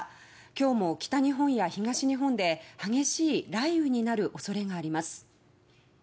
今日も北日本や東日本で激しい雷雨になる恐れがあります。